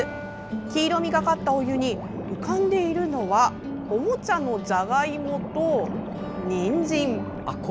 黄色みがかったお湯に浮かんでいるのはおもちゃのジャガイモとニンジン。